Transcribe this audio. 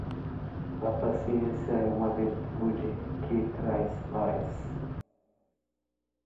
A paciência é uma virtude que traz paz.